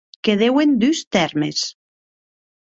Que deuen dus tèrmes.